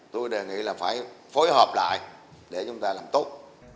tôi đề nghị là phải phối hợp lại để chúng ta làm tốt